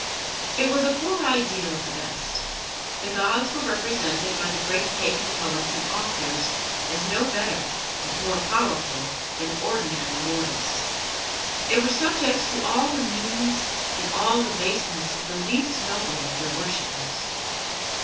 It was a poor ideal at the best. The gods were represented by the great pagan poets and authors as no better, if more powerful, than ordinary mortals. They were subject to all the meannesses and all the baseness of the least noble of their worshippers.